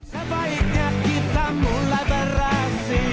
sebaiknya kita mulai beraksi